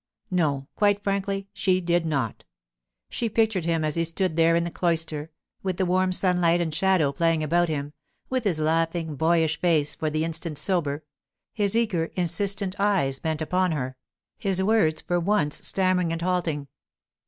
No; quite frankly, she did not. She pictured him as he stood there in the cloister, with the warm sunlight and shadow playing about him, with his laughing, boyish face for the instant sober, his eager, insistent eyes bent upon her, his words for once stammering and halting.